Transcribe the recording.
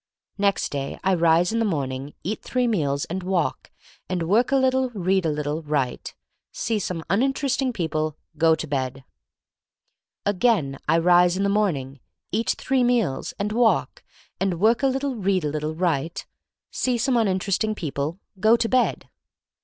Next day, I rise in the morning; eat three meals; and walk; and work a little, read a little, write; see some un interesting people; go to bed. Again I rise in the morning; eat three meals; and walk; and work a little, read a little, write; see some un interesting people; go to bed.